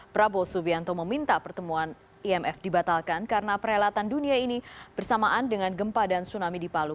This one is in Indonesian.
prabowo subianto meminta pertemuan imf dibatalkan karena perhelatan dunia ini bersamaan dengan gempa dan tsunami di palu